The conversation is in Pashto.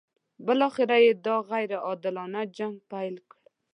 بالاخره یې دا غیر عادلانه جنګ پیل کړ.